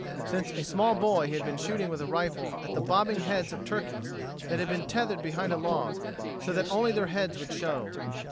Since a small boy he had been shooting with a rifle at the bobbing heads of turkeys that had been tethered behind a log so that only their heads would show.